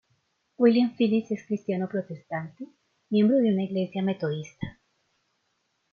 William Phillips es cristiano protestante, miembro de una iglesia metodista.